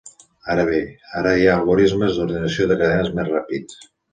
Ara bé, ara hi ha algorismes d'ordenació de cadenes més ràpids.